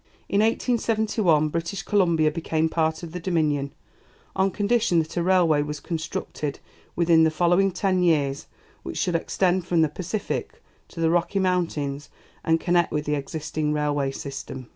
In 1871 British Columbia became part of the Dominion, on condition that a railway was constructed within the following ten years which should extend from the Pacific to the Rocky Mountains and connect with the existing railway system.